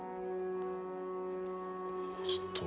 ちょっと。